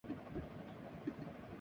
یہ میاں صاحب کی حکومت نہیں